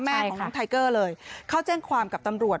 แม่ของน้องไทเกอร์เลยเข้าแจ้งความกับตำรวจ